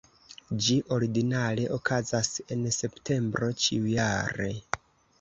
Ĝi ordinare okazas en septembro ĉiujare.